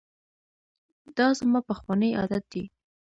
دا زما پخوانی عادت دی.